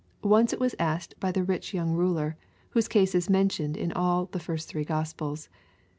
Once it was asked by the rich young ruler, whose case is mentioned in all the first three Gospels.